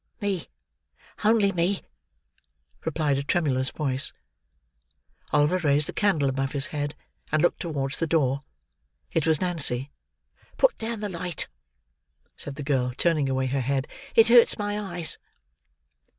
"Me. Only me," replied a tremulous voice. Oliver raised the candle above his head: and looked towards the door. It was Nancy. "Put down the light," said the girl, turning away her head. "It hurts my eyes."